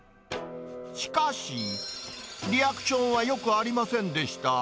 しかし、リアクションはよくありませんでした。